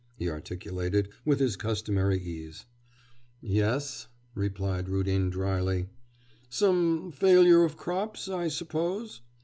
he articulated, with his customary ease. 'Yes,' replied Rudin drily. 'Some failure of crops, I suppose?